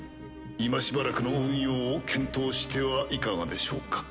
今しばらくの運用を検討してはいかがでしょうか？